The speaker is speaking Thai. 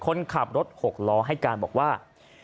คนขับรถหกล้อให้การบอกว่า